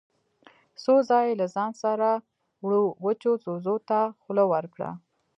څو ځايه يې له ځان سره وړو وچو ځوځو ته خوله ورکړه.